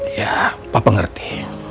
ya papa ngerti